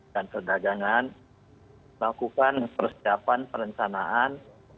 dan perdagangan lakukan persiapan perencanaan